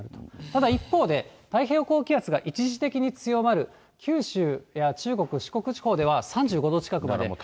ただ、一方で、太平洋高気圧が一時的に強まる九州や中国、四国地方では、３５度近くまで。